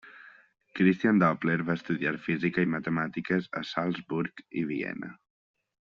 Christian Doppler va estudiar física i matemàtiques a Salzburg i Viena.